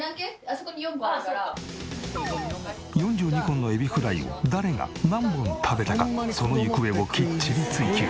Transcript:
４２本のエビフライを誰が何本食べたかその行方をきっちり追求。